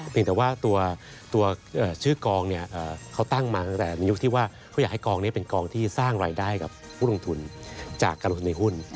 เป็นแต่ว่าตัวชื่อกองเนี่ยเขาตั้งมาตั้งแต่ในยุคที่ว่าเขาอยากให้กองนี้เป็นกองที่สร้างรายได้กับผู้ลงทุนจากการลงทุนในหุ้น